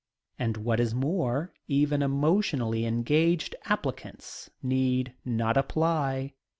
And what is more, even emotionally engaged applicants need not apply.